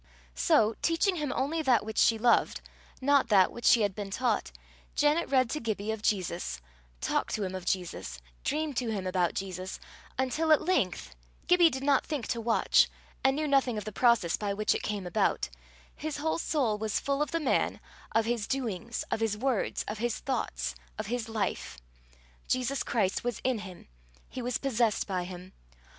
So, teaching him only that which she loved, not that which she had been taught, Janet read to Gibbie of Jesus, talked to him of Jesus, dreamed to him about Jesus; until at length Gibbie did not think to watch, and knew nothing of the process by which it came about his whole soul was full of the man, of his doings, of his words, of his thoughts, of his life. Jesus Christ was in him he was possessed by him.